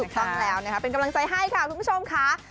ถูกต้องแล้วนะคะเป็นกำลังใจให้ค่ะคุณผู้ชมค่ะ